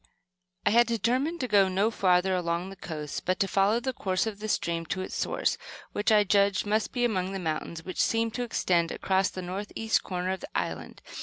I had determined to go no further along the coast, but to follow the course of the stream to its source which I judged must be among the mountains which seemed to extend across the northeast corner of the island.